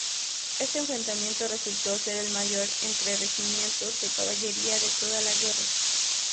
Este enfrentamiento resultó ser el mayor entre regimientos de caballería de toda la guerra.